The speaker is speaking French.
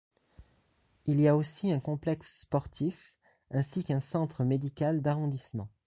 Il y a aussi un complexe sportif ainsi qu'un centre médical d'arrondissement.